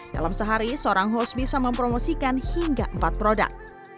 dalam sehari seorang host bisa mempromosikan hingga empat produk